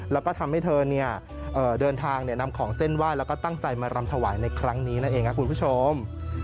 แล้วก็ทำให้เธอเดินทางนำของเส้นไหว้แล้วก็ตั้งใจมารำถวายในครั้งนี้นั่นเองครับคุณผู้ชม